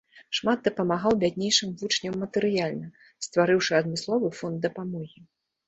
Шмат дапамагаў бяднейшым вучням матэрыяльна, стварыўшы адмысловы фонд дапамогі.